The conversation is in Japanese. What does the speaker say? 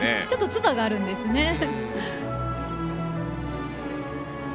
ちょっとつばがあるんですね。